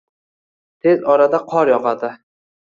Tez orada qor yogʻadi.